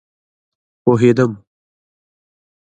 پوهیدم